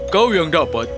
kau yang dapat